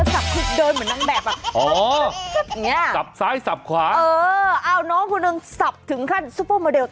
สบัดข่าวอีก